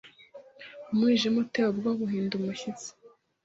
Umwijima uteye ubwoba uhinda umushyitsi